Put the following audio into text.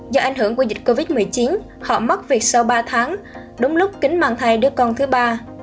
do ảnh hưởng của dịch covid một mươi chín họ mất việc sau ba tháng đúng lúc kính mang thai đứa con thứ ba